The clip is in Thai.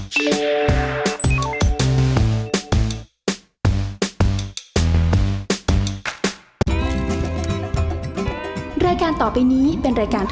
คุณล่ะโหลดหรือยัง